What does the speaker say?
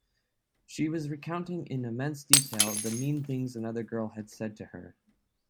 She was recounting in immense detail the mean things another girl had said to her.